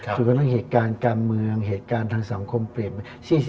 จนกระทั่งเหตุการณ์การเมืองเหตุการณ์ทางสังคมเปลี่ยนไป